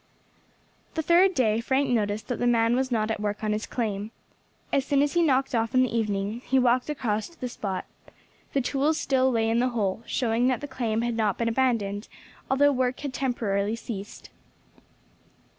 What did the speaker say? The third day Frank noticed that the man was not at work on his claim. As soon as he knocked off in the evening he walked across to the spot. The tools still lay in the hole, showing that the claim had not been abandoned, although work had temporarily ceased.